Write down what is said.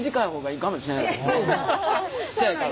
ちっちゃいから。